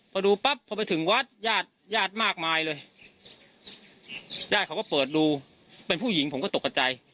พอดูปั๊บพอไปถึงวัดญาติญาติมากมายเลยญาติเขาก็เปิดดูเป็นผู้หญิงผมก็ตกกระใจ